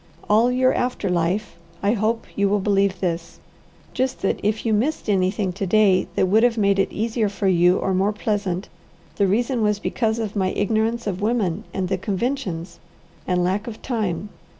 All your after life I hope you will believe this: Just that if you missed anything to day that would have made it easier for you or more pleasant, the reason was because of my ignorance of women and the conventions, and lack of time.